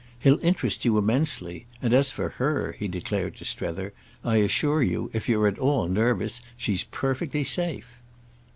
He'll interest you immensely; and as for her," he declared to Strether, "I assure you, if you're at all nervous, she's perfectly safe."